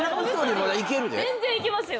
全然いけますよ。